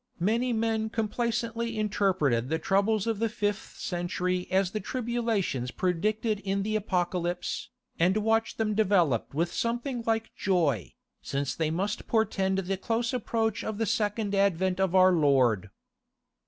Many men complacently interpreted the troubles of the fifth century as the tribulations predicted in the Apocalypse, and watched them develop with something like joy, since they must portend the close approach of the Second Advent of our Lord.